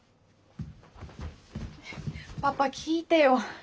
パパ聞いてよ。